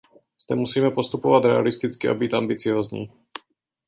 Zde musíme postupovat realisticky a být ambiciózní.